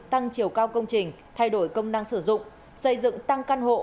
tăng chiều cao công trình thay đổi công năng sử dụng xây dựng tăng căn hộ